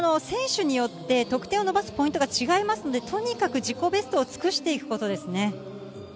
選手によって得点を伸ばすポイントが違いますので、とにかく自己ベストを尽くしていくことですね。